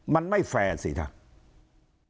มันไม่แฟร์สิครับ